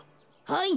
はい！